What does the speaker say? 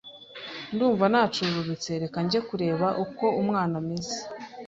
ndumva na cururutse reka nge kureba uko umwana ameze